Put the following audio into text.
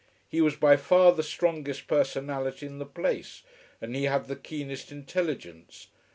He was by far the strongest personality in the place, and he had the keenest intelligence.